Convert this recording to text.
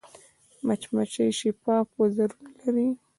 مچمچۍ شفاف وزرونه لري